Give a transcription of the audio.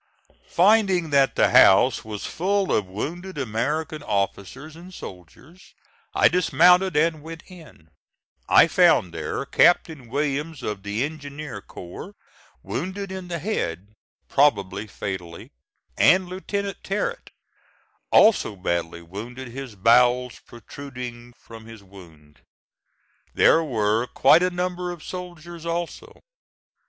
Finding that the house was full of wounded American officers and soldiers, I dismounted and went in. I found there Captain Williams, of the Engineer Corps, wounded in the head, probably fatally, and Lieutenant Territt, also badly wounded his bowels protruding from his wound. There were quite a number of soldiers also.